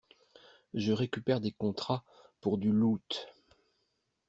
Je récupère des contrats pour du loot.